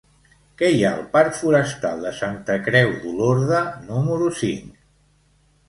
Què hi ha al parc Forestal de Santa Creu d'Olorda número cinc?